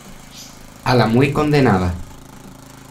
a la muy condenada.